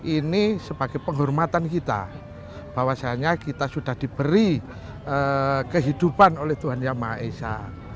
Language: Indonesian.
ini sebagai penghormatan kita bahwasanya kita sudah diberi kehidupan oleh tuhan yang maha esa